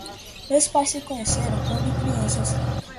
Meus pais se conheceram quando crianças.